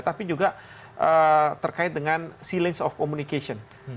tapi juga terkait dengan silensi komunikasi